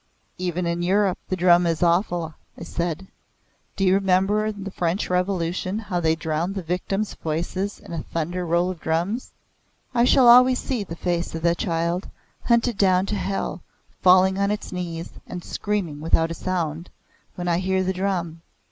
"Even in Europe the drum is awful," I said. "Do you remember in the French Revolution how they Drowned the victims' voices in a thunder roll of drums?" "I shall always see the face of the child, hunted down to hell, falling on its knees, and screaming without a sound, when I hear the drum.